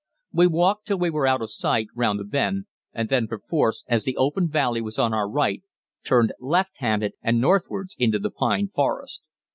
We walked till we were out of sight round a bend and then, perforce, as the open valley was on our right, turned left handed and northwards into the pine forest.